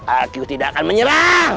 aku tidak akan menyerang